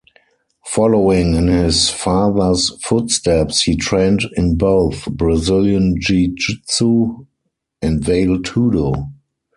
Following in his father's footsteps, he trained in both Brazilian jiu-jitsu and vale tudo.